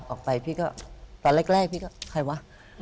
ออกไปพี่ก็ตอนแรกพี่ก็ใครวะ